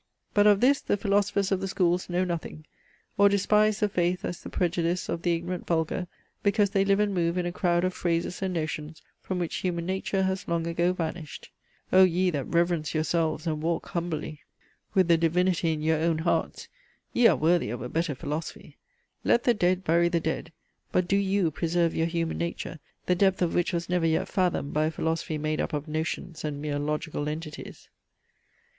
But of this the philosophers of the schools know nothing, or despise the faith as the prejudice of the ignorant vulgar, because they live and move in a crowd of phrases and notions from which human nature has long ago vanished. Oh, ye that reverence yourselves, and walk humbly with the divinity in your own hearts, ye are worthy of a better philosophy! Let the dead bury the dead, but do you preserve your human nature, the depth of which was never yet fathomed by a philosophy made up of notions and mere logical entities.